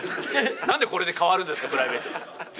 なんでこれで変わるんですか、プライベート。